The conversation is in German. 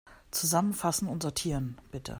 Zusammenfassen und sortieren, bitte.